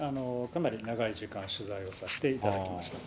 かなり長い時間、取材をさせていただきました。